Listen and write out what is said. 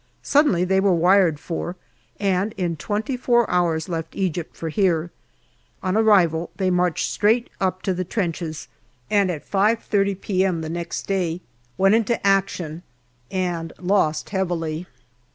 Suddenly they were wired for, and in twenty four hours left Egypt for here. On arrival they marched straight up to the trenches, and at 5.30 p.m. the next day went into action and lost heavily.